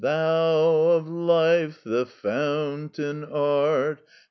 "Thou of Life the fountain art.